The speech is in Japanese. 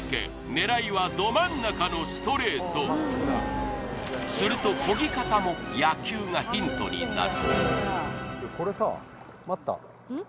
狙いはど真ん中のストレートすると漕ぎ方も野球がヒントになるうん？